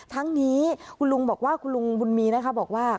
ทั้งนี้คุณลุงบอกว่าคุณลุงบุญมีนะคะบอกว่า